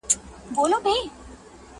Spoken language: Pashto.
نه له پلاره پاتېده پاچهي زوى ته٫